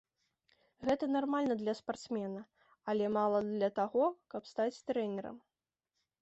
Гэта нармальна для спартсмена, але мала для таго, каб стаць трэнерам.